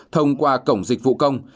thông qua cổng dịch vụ công